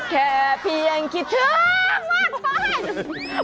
แค่เพียงคิดถึงมากไป